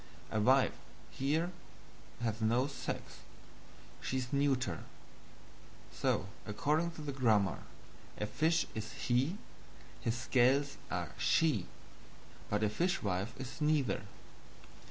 A Wife, here, has no sex; she is neuter; so, according to the grammar, a fish is HE, his scales are SHE, but a fishwife is neither.